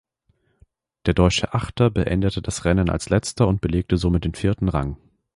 Der deutsche Achter beendete das Rennen als Letzter und belegte somit den vierten Rang.